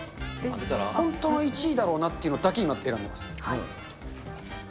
本当の１位だろうなっていうのだけ今、選んでいます。